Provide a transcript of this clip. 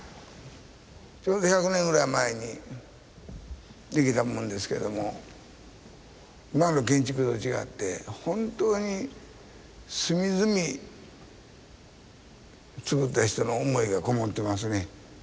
ちょうど１００年ぐらい前に出来たものですけども今の建築と違って本当に隅々つくった人の思いがこもってますね。